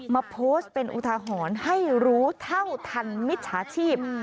มาโพสต์เป็นอุทาหรณ์ให้รู้เท่าทันมิจฉาชีพ